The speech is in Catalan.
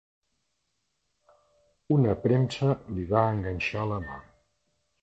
Una premsa li va enganxar la mà.